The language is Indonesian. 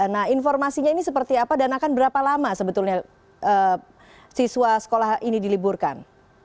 nah informasinya ini seperti apa dan akan berapa lama sebetulnya siswa sekolah ini diliburkan